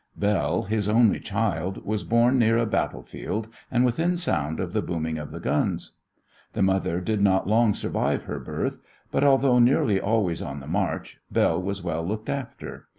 Belle, his only child, was born near a battlefield and within sound of the booming of the guns. The mother did not long survive her birth, but, although nearly always on the march, Belle was well looked after.